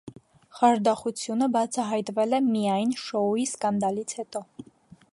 Խարդախությունը բացահայտվել է միայն շոուի սկանդալից հետո։